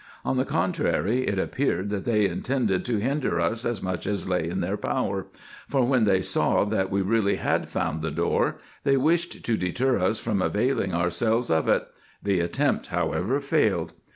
On the contrary, it appeared that they intended to hinder us as much as lay in their power ; for when they saw, that we really had found the door, they wished to deter us from availing ourselves of it : the attempt however failed.